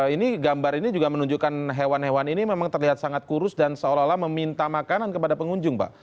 ini gambar ini juga menunjukkan hewan hewan ini memang terlihat sangat kurus dan seolah olah meminta makanan kepada pengunjung pak